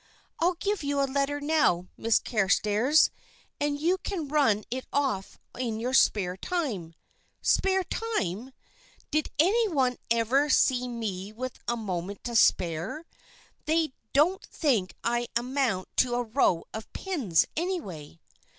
'I'll give you a letter now, Miss Carstairs, and you can run it off in your spare time.' Spare time! Did any one ever see me with a moment to spare? They don't think I amount to a row of pins, anyway.